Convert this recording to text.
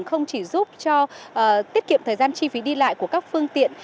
không chỉ giúp cho tiết kiệm thời gian chi phí đi lại của các phương tiện